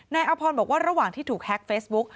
อพรบอกว่าระหว่างที่ถูกแฮ็กเฟซบุ๊ก